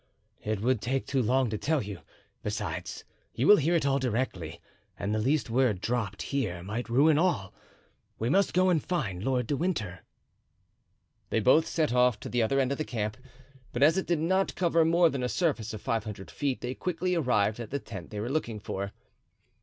"It would take too long to tell you, besides, you will hear it all directly and the least word dropped here might ruin all. We must go and find Lord Winter." They both set off to the other end of the camp, but as it did not cover more than a surface of five hundred feet they quickly arrived at the tent they were looking for.